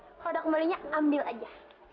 hai cash kode kembalinya ambil aja